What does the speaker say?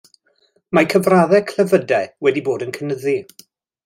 Mae cyfraddau clefydau wedi bod yn cynyddu.